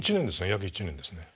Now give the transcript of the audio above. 約１年ですね。